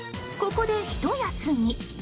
ここで、ひと休み。